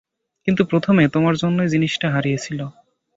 কিন্তু প্রথমে তোমার জন্যই জিনিসটা হারিয়েছিল।